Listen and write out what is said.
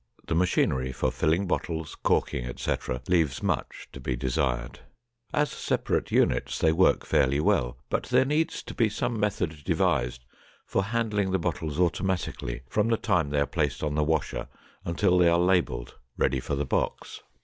The machinery for filling bottles, corking, etc., leaves much to be desired; as separate units they work fairly well, but there needs to be some method devised for handling the bottles automatically from the time they are placed on the washer until they are labeled, ready for the box.